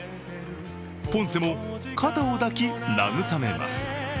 ポンセも肩を抱き慰めます。